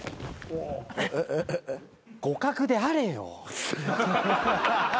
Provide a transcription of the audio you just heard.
互角であれよ。